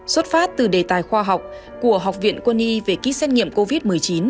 xuất phát từ đề tài khoa học của học viện quân y về ký xét nghiệm covid một mươi chín